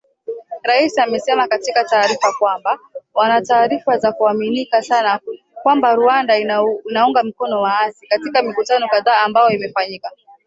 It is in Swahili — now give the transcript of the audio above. Rais amesema katika taarifa kwamba “wana taarifa za kuaminika sana kwamba Rwanda inaunga mkono waasi", katika mikutano kadhaa ambayo imefanyika